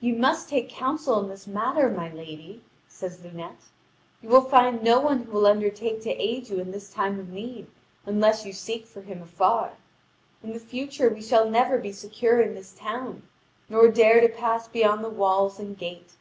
"You must take counsel in this matter, my lady," says Lunete; "you will find no one who will undertake to aid you in this time of need unless you seek for him afar. In the future we shall never be secure in this town, nor dare to pass beyond the walls and gate.